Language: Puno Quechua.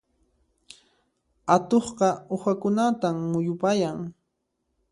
Atuqqa uhakunatan muyupayan.